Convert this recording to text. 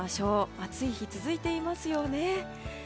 暑い日が続いていますよね。